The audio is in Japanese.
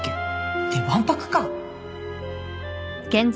ってわんぱくか